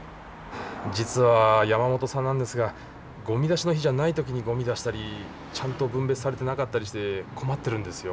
実は山本さんなんですがゴミ出しの日じゃない時にゴミ出したりちゃんと分別されてなかったりして困ってるんですよ。